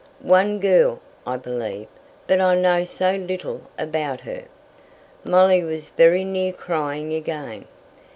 "One girl, I believe. But I know so little about her!" Molly was very near crying again.